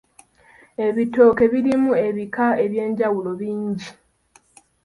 Ebitooke birimu ebika eby'enjawulo bingi .